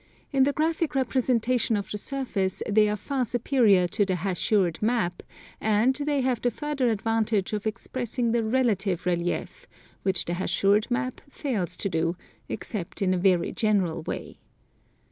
In the graphic representation of the surface they are far superior to the hachured map, and they have the further advantage of expressing the relative relief, which the hachured map fails to do, except in a very general way.